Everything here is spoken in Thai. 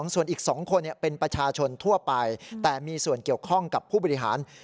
ส่วนอีก๒คนเป็นประชาชนทั่วไปแต่มีส่วนเกี่ยวข้องกับผู้บริหาร